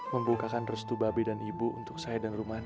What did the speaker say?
membukakan restu babi dan ibu untuk saya dan rumahnya